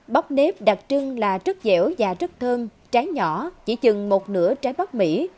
bắp nếp đặc trưng là rất dẻo và rất thơm trái nhỏ chỉ chừng một nửa trái bắp mỹ